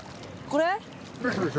これ！